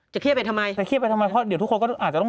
เครียดไปทำไมจะเครียดไปทำไมเพราะเดี๋ยวทุกคนก็อาจจะต้อง